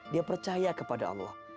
dia percaya kepada allah